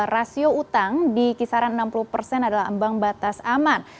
rasio utang di kisaran enam puluh persen adalah ambang batas aman